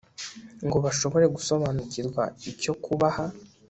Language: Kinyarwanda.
ngo bashobore gusobanukirwa icyo kubaha